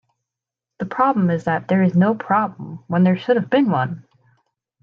The problem is that there is no problem when there should have been one.